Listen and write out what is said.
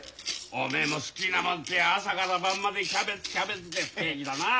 おめえも好きなもんっていや朝から晩までキャベツキャベツで不景気だなあ。